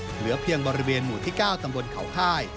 เหลือเพียงบริเวณหมู่ที่๙ตำบลเขาค่าย